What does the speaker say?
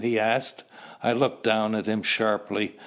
he asked. I looked down at him sharply.